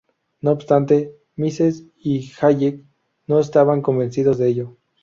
No obstante, Mises y Hayek no estaban convencidos de ello.